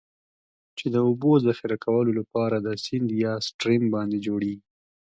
چې د اوبو د ذخیره کولو لپاره د سیند یا Stream باندی جوړیږي.